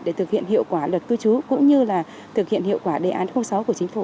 để thực hiện hiệu quả luật cư trú cũng như là thực hiện hiệu quả đề án sáu của chính phủ